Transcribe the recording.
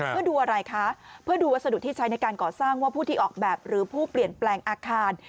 เพื่อดูอะไรคะเพื่อดูวัสดุที่ใช้ในการก่อสร้างว่าผู้ที่ออกแบบหรือผู้เปลี่ยนแปลงอาคาร